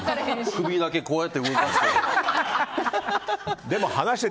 首だけこうやって動かして。